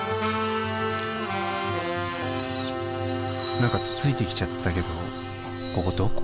何かついてきちゃったけどここどこ？